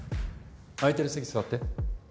空いてる席座って。